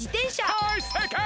はいせいかい！